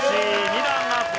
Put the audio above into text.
２段アップ。